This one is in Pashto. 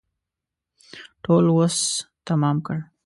ټول وس تمام کړ.